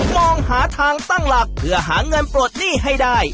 มองหาทางตั้งหลักเพื่อหาเงินปลดหนี้ให้ได้